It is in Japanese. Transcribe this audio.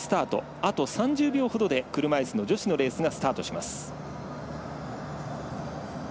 あと３０秒ほどで車いすの女子のレースがスタートします。